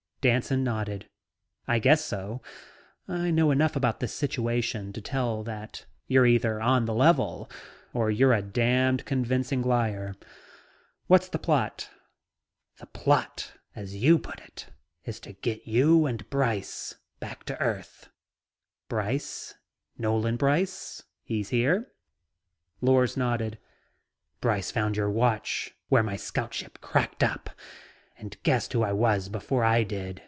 Danson nodded. "I guess so. I know enough about this situation to tell that you're either on the level, or you're a damned convincing liar. What's the plot?" "The plot, as you put it, is to get you and Brice back to earth..." "Brice? Nolan Brice? He's here?" Lors nodded. "Brice found your watch where my scout ship cracked up and guessed who I was before I did.